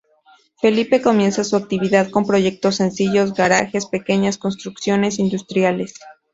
Felipe comienza su actividad con proyectos sencillos: garajes, pequeñas construcciones industriales...